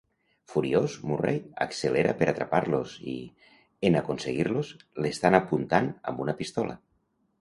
Furiós, Murray accelera per atrapar-los i, en aconseguir-los, l'estan apuntant amb una pistola.